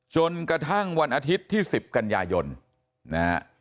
จนกระทั่งวันอาทิตย์ที่๑๐กันยายนนะฮะ